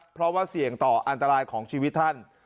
เพราะว่าเสี่ยงต่ออันตรายของชีวิตท่าน